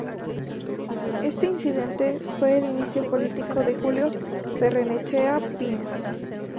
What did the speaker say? Este incidente fue el inicio político de Julio Barrenechea Pino.